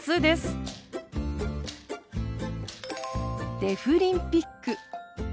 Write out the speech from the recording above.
デフリンピック。